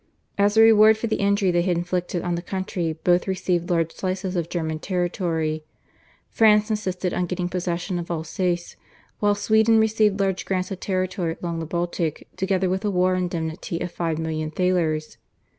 As a reward for the injury they had inflicted on the country both received large slices of German territory. France insisted on getting possession of Alsace, while Sweden received large grants of territory along the Baltic together with a war indemnity of five million thalers.